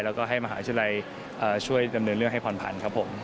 แล้วก็ให้มหาวิทยาลัยช่วยดำเนินเรื่องให้ผ่อนผันครับผม